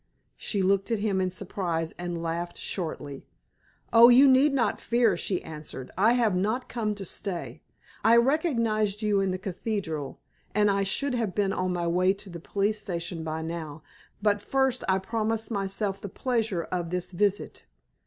She looked at him in surprise, and laughed shortly. "Oh, you need not fear," she answered, "I have not come to stay. I recognized you in the cathedral, and I should have been on my way to the police station by now, but first I promised myself the pleasure of this visit.